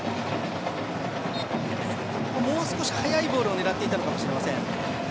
もう少し、速いボールを狙っていたのかもしれません。